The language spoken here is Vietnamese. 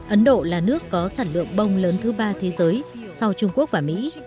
ấn độ là nước có sản lượng bông lớn thứ ba thế giới sau trung quốc và mỹ